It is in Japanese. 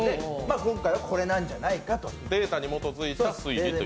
今回はこれなんじゃないかと。